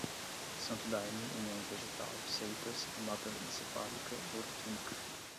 santo daime, união do vegetal, seitas, hematoencefálica, neuroquímica